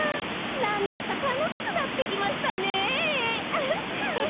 なんだかたのしくなってきましたねえ！